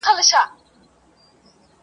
نو خورا شاعرانه کلمات !.